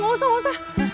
gak usah gak usah